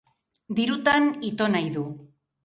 Dirutan ito nahi du.